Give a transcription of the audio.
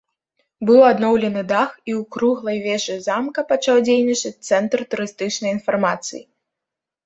Быў адноўлены дах і ў круглай вежы замка пачаў дзейнічаць цэнтр турыстычнай інфармацыі.